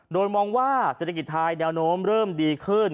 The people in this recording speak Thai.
โดยมองว่าเศรษฐกิจไทยแนวโน้มเริ่มดีขึ้น